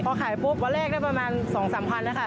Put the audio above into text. พอขายปุ๊บวันแรกได้ประมาณ๒๓พันแล้วค่ะ